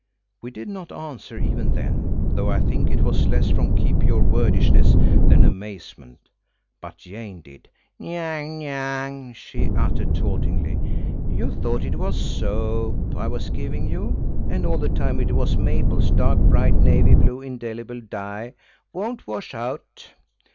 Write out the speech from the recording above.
We did not answer even then, though I think it was less from keep your wordishness than amazement. But Jane did. "Nyang, Nyang!" she uttered tauntingly. "You thought it was soap I was giving you, and all the time it was Maple's dark bright navy blue indelible dye–won't wash out."